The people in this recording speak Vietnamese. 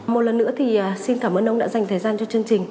một lần nữa thì xin cảm ơn ông đã dành thời gian cho chương trình